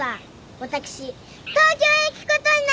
わたくし東京へ行くことになりました！